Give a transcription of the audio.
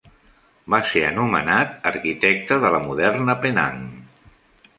Va ser anomenat "arquitecte de la moderna Penang".